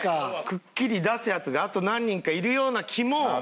くっきり出すヤツがあと何人かいるような気も。